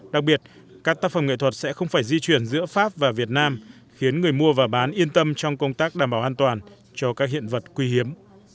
đặc biệt các tác phẩm nghệ thuật sẽ không phải di chuyển giữa pháp và việt nam khiến người mua và bán yên tâm trong công tác đảm bảo an toàn cho các hiện vật quý hiếm